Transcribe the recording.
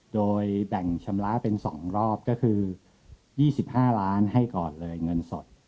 โดยแบ่งชำระเป็น๒รอบก็คือ๒๕ล้านให้ก่อนเลยเงินสด